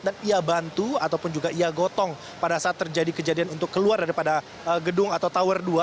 dan ia bantu ataupun juga ia gotong pada saat terjadi kejadian untuk keluar daripada gedung atau tower dua